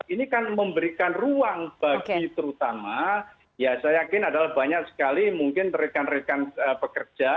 ini kan memberikan ruangan bagi terutama saya yakin bayak sekali rekan rekan pekerja